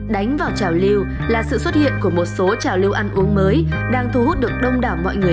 đánh vào trào lưu là sự xuất hiện của một số trào lưu ăn uống mới đang thu hút được đông đảo mọi người